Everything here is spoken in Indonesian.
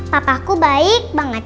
papahku baik banget